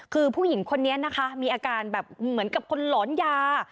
คือผู้หญิงคนนี้นะคะมีอาการแบบเหมือนกับคนหลอนยา